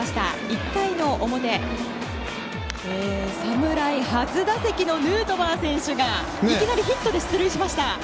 １回の表、侍初打席のヌートバー選手がいきなりヒットで出塁しました。